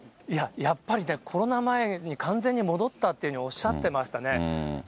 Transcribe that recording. やっぱりね、コロナ前に完全に戻ったっていうふうにおっしゃってましたね。